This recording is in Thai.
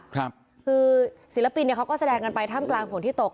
คือศิลปินเขาก็แสดงกันไปถ้ำกลางฝนที่ตก